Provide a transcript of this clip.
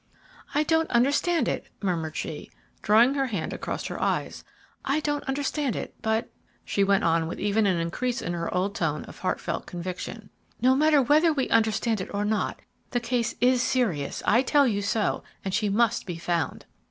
"I don't understand it," murmured she, drawing her hand across her eyes. "I don't understand it. But," she went on with even an increase in her old tone of heart felt conviction, "no matter whether we understand it or not, the case is serious; I tell you so, and she must be found."